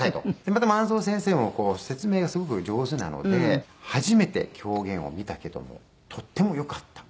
また万蔵先生も説明がすごく上手なので「初めて狂言を見たけどもとってもよかった」